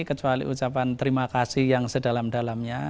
kecuali ucapan terima kasih yang sedalam dalamnya